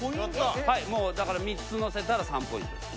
もうだから３つのせたら３ポイント。